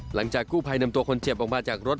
หลังจากกู้ภัยนำตัวคนเจ็บออกมาจากรถ